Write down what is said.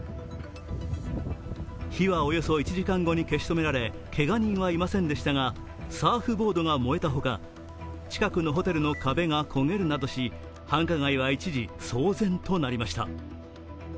火はおよそ１時間後に消し止められけが人はいませんでしたがサーフボードが燃えたほか、近くのホテルの壁が焦げるなどし繁華街は一時、騒然となりました。